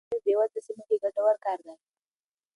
وقفه او مخنیوی په بې وزله سیمو کې ګټور کار دی.